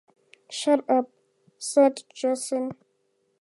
"Shut up!" said Jason